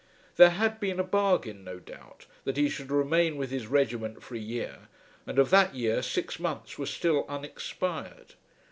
There had been a bargain, no doubt, that he should remain with his regiment for a year, and of that year six months were still unexpired.